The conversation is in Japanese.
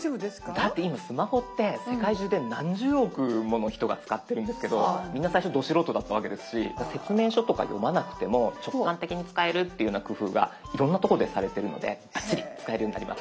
だって今スマホって世界中で何十億もの人が使ってるんですけどみんな最初ど素人だったわけですし説明書とか読まなくても直感的に使えるっていうような工夫がいろいろなとこでされてるのでバッチリ使えるようになります。